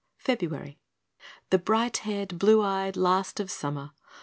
February The bright haired, blue eyed last of Summer.